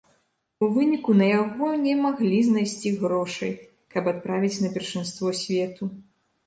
У выніку, на яго не маглі знайсці грошай, каб адправіць на першынство свету.